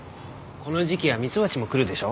この時期はミツバチも来るでしょう？